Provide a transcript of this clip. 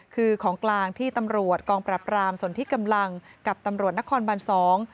คือของกลางที่ตำรวจกองปรับรามส่วนที่กำลังกับตำรวจนครบันสอง